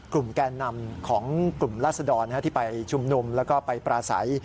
แกนนำของกลุ่มราศดรที่ไปชุมนุมแล้วก็ไปปราศัย